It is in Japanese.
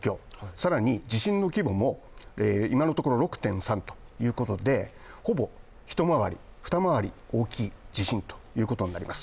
更に地震の規模も今のところ６．３ということでほぼ一回り、二回り大きい地震ということになります。